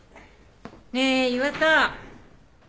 ねえ岩田。